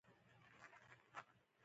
د هغو ډلو د خپلمنځي شخړو له کبله هم ده